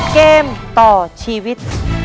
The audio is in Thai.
เกมต่อชีวิต